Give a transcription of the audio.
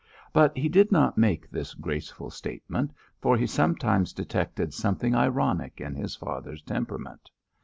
But he did not make this graceful statement, for he sometimes detected something ironic in his father's temperament.